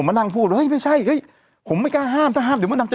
มานั่งพูดเฮ้ยไม่ใช่เฮ้ยผมไม่กล้าห้ามถ้าห้ามเดี๋ยวมานั่ง